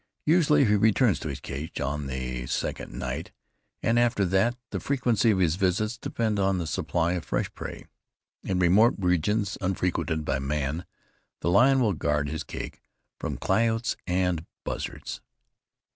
Usually he returns to his cache on the second night, and after that the frequency of his visits depends on the supply of fresh prey. In remote regions, unfrequented by man, the lion will guard his cache from coyote and buzzards.